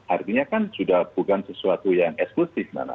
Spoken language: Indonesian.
artinya kan sudah bukan sesuatu yang eksklusif nana